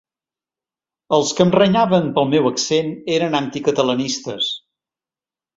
Els que em renyaven pel meu accent eren anticatalanistes.